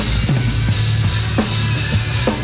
ส่วนยังแบร์ดแซมแบร์ด